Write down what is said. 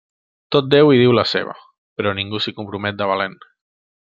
Tot déu hi diu la seva, però ningú s'hi compromet de valent.